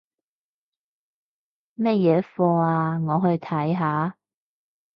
乜嘢課吖？我去睇下